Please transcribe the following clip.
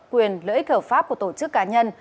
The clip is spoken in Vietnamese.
quyền lợi ích hợp pháp của tổ chức cá nhân